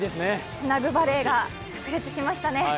つなぐバレーがさく裂しましたね。